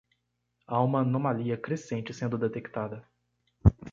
Há uma anomalia crescente sendo detectada